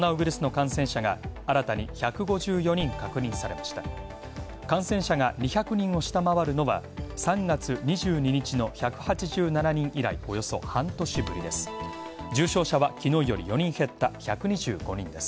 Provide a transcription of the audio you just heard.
感染者が２００人を下回るのは３月２２日の１８７人以来およそ半年ぶりです。